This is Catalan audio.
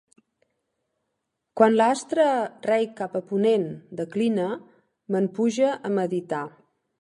Quan l'astre rei cap a ponent declina me'n puge a meditar.